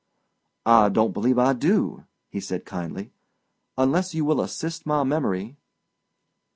"I don't believe I do," he said kindly—"unless you will assist my memory."